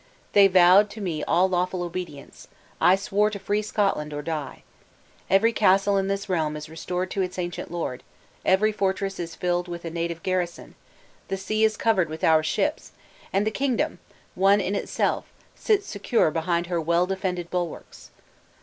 They vowed to me all lawful obedience; I swore to free Scotland or to die. Every castle in this realm is restored to its ancient lord; every fortress is filled with a native garrison; the sea is covered with our ships, and the kingdom, one in itself, sits secure behind her well defended bulwarks.